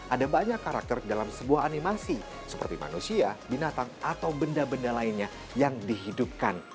ada banyak karakter dalam sebuah animasi seperti manusia binatang atau benda benda lainnya yang dihidupkan